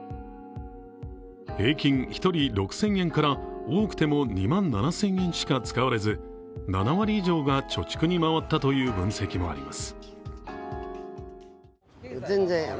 平均１人６０００円から、多くても２万７０００円しか使われず、７割以上が貯蓄に回ったという分析もあります。